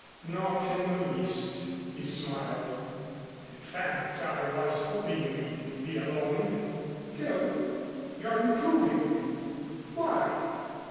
"Not in the least," he smiled. "In fact, I was hoping we'd be alone." "Phil, you're improving. Why?"